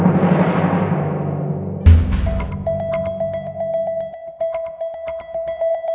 mampu hati hati justus